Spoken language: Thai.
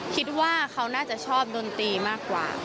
คิดว่าเขาน่าจะชอบดนตรีมากกว่า